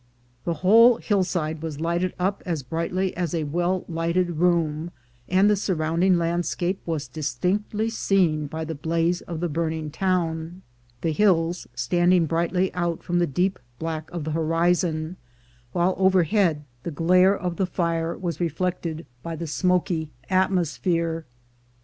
The whole hillside was lighted up as brightly as a well lighted room, and the surrounding land scape was distinctly seen by the blaze of the burning town, the hills standing brightly out from the deep A CITY BURNED 327 black of the horizon, while overhead the glare of the fire was reflected by the smoky atmosphere.